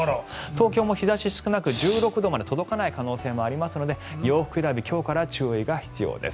東京も日差し少なく１６度まで届かない可能性がありますので洋服選び今日から注意が必要です。